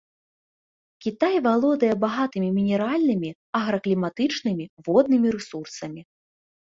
Кітай валодае багатымі мінеральнымі, агракліматычнымі, воднымі рэсурсамі.